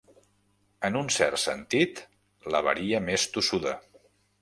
En un cert sentit, l'haveria més tossuda.